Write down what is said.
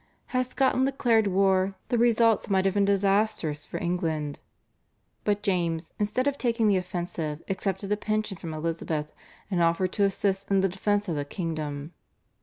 Had Scotland declared war the results might have been disastrous for England, but James, instead of taking the offensive, accepted a pension from Elizabeth and offered to assist in the defence of the kingdom.